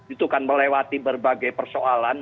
itu kan melewati berbagai persoalan